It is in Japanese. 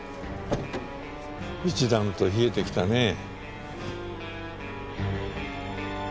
一段と冷えてきたねえ。